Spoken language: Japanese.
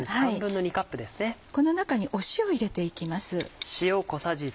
この中に塩を入れていきます。